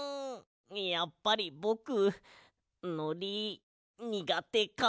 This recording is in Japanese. やっぱりぼくのりにがてかも。